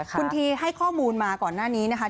คุณทีให้ข้อมูลมาก่อนหน้านี้นะคะ